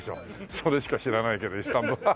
それしか知らないけどイスタンハハハ。